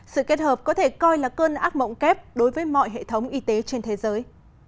sự kết hợp có thể coi là cơn ác mộng kép đối với mọi hệ thống y tế trên thế giới